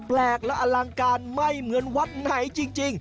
แปลกและอลังการไม่เหมือนวัดไหนจริง